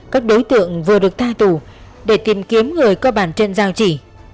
các đối tượng vừa được tha tù để tìm kiếm người có bàn chân giao chỉ